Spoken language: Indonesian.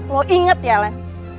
lo inget ya lan